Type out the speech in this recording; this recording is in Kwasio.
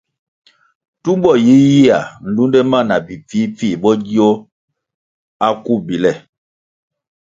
Tumbo yiyia nlunde ma bi pfihpfih bo gio akubile.